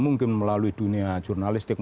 mungkin melalui dunia jurnalistik